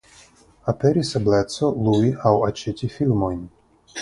Aperis ebleco lui aŭ aĉeti filmojn.